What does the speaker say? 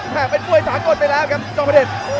แทบเป็นป้วยสางกฎไปแล้วครับจอมพะเดชน์